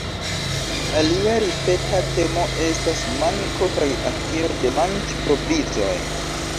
Alia ripeta temo estas manko kaj akiro de manĝ-provizoj.